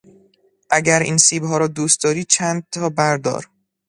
اگر این سیبها را دوست داری چند تا بردار.